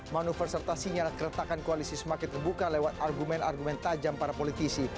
manuver serta sinyal keretakan koalisi semakin terbuka lewat argumen argumen tajam para politisi